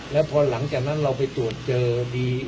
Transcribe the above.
แล้วพอหลังจากนั้นเราไปตรวจเจอดี